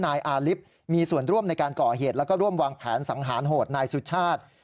นายอาริฟต์มีส่วนร่วมในการก่อเหตุแล้วก็ร่วมวางแผนสังหารโหดนายสุชาติ